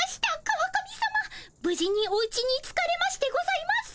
川上さまぶ事におうちに着かれましてございます。